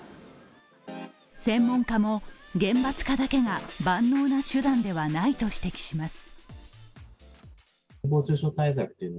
専門家も、厳罰化だけが万能な手段ではないと指摘します。